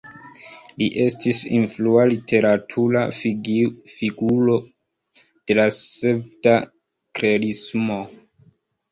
Li estis influa literatura figuro de la sveda Klerismo.